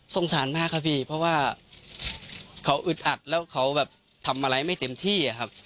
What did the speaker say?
สารมากครับพี่เพราะว่าเขาอึดอัดแล้วเขาแบบทำอะไรไม่เต็มที่ครับ